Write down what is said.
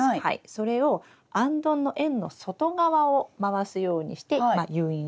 それをあんどんの円の外側を回すようにして誘引してぐるぐると。